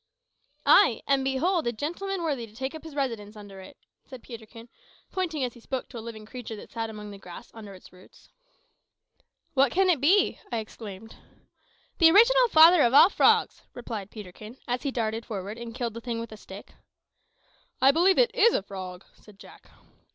"Ay; and behold a gentleman worthy to take up his residence under it," said Peterkin, pointing as he spoke to a living creature that sat among the grass near its roots. "What can it be?" I exclaimed. "The original father of all frogs!" replied Peterkin, as he darted forward and killed the thing with a stick. "I believe it is a frog," said Jack.